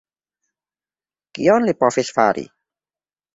Kion li povis fari?